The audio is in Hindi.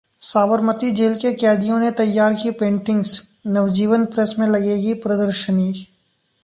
साबरमती जेल के कैदियों ने तैयार की पेंटिग्स, नवजीवन प्रेस में लगेगी प्रदर्शनी